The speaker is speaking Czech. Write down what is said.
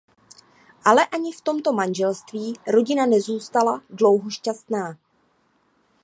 Ale ani v tomto manželství rodina nezůstala dlouho šťastná.